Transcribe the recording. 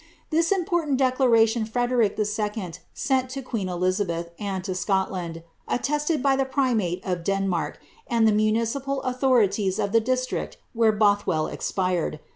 This important declaration Frederic If. sent to queen Elizabeth and to Scotland,' attested by the primate of Denmark, and the municipal authorities of the district where Bothwell expired.